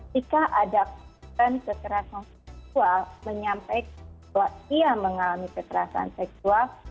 jika ada kerasan seksual menyampaikan bahwa dia mengalami kerasan seksual